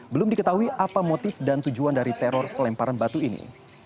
belum diketahui apa motif dan tujuan dari teror pelemparan batu ini